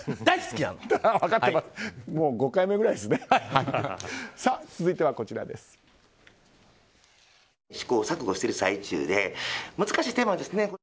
もう５回目くらいですね。